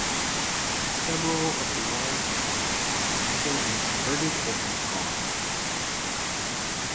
Several of the large houses have either been converted or have gone.